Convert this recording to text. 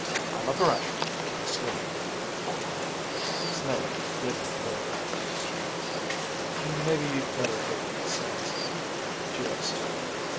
I'm a thrasher when I sleep." Snake didn't move. "Maybe you better do what he says," Geo said.